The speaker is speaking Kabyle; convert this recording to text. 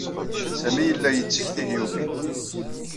Sami yella yetteg tihyufin.